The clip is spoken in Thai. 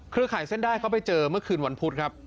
ข่ายเส้นได้เขาไปเจอเมื่อคืนวันพุธครับ